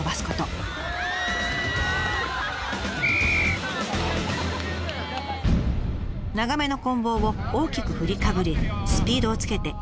長めのこん棒を大きく振りかぶりスピードをつけて一気に下ろします。